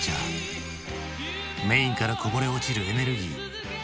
メインからこぼれ落ちるエネルギー。